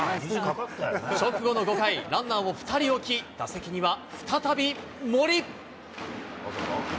直後の５回、ランナーを２人置き、打席には再び森。